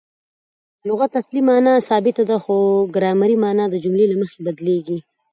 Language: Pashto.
د لغت اصلي مانا ثابته ده؛ خو ګرامري مانا د جملې له مخه بدلیږي.